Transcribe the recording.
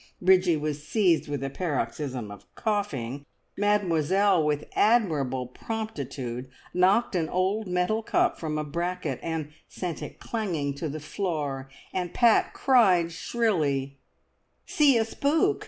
Bridgie was seized with a paroxysm of coughing, Mademoiselle with admirable promptitude knocked an old metal cup from a bracket, and sent it clanging to the floor, and Pat cried shrilly "See a spook!